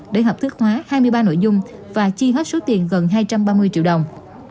để hợp thức hóa hai mươi ba nội dung và chi hết số tiền gần hai trăm ba mươi triệu đồng